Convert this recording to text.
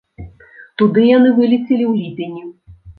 Туды яны вылецелі ў ліпені.